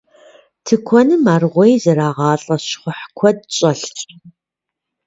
Тыкуэным аргъуей зэрагъалӏэ щхъухь куэд щӏэлъщ.